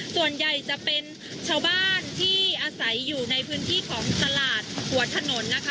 ส่วนใหญ่จะเป็นชาวบ้านที่อาศัยอยู่ในพื้นที่ของตลาดหัวถนนนะคะ